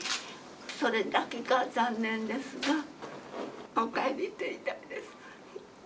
それだけが残念ですが、おかえりって言いたいです。